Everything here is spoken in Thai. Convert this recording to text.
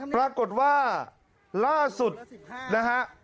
ปรากฏว่าล่าสุดนะฮะ